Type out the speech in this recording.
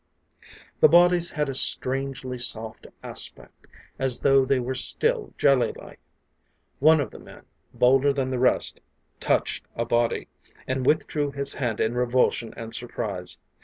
The bodies had a strangely soft aspect, as though they were still jellylike. One of the men, bolder than the rest, touched a body and withdrew his hand in revulsion and surprise.